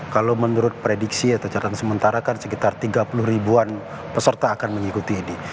kalau menurut prediksi atau catatan sementara kan sekitar tiga puluh ribuan peserta akan mengikuti ini